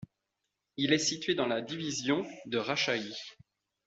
Il est situé dans la division de Rajshahi.